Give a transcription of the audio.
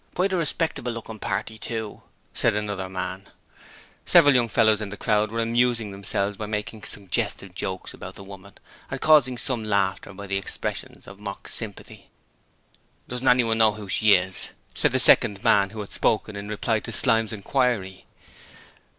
'Quite a respectable looking young party, too,' said another man. Several young fellows in the crowd were amusing themselves by making suggestive jokes about the young woman and causing some laughter by the expressions of mock sympathy. 'Doesn't anyone know who she is?' said the second man who had spoken in reply to Slyme's inquiry.